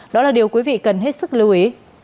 đó là điều quý vị cần hết sức lưu ý